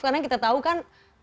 karena kita tahu kan